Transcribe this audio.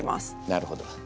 なるほど。